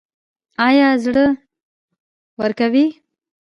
ایا زړه ورکوئ؟